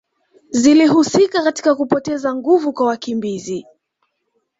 zilihusika katika kupoteza nguvu kwa wakimbizi